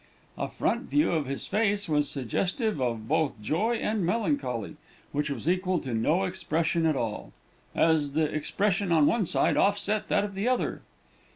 A front view of his face was suggestive of both joy and melancholy, which was equal to no expression at all, as the expression on one side offset that of the other.